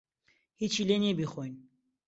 ھیچی لێ نییە بیخۆین.